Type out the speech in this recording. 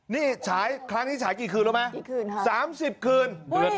นี่ฉายครั้งนี้ฉายกี่คืนรู้ไหม๓๐คืน